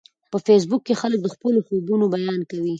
په فېسبوک کې خلک د خپلو خوبونو بیان کوي